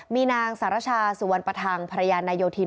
มีนางสารชาสุวรรณปทังภรรยานายโยธิน